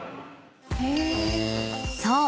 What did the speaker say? ［そう！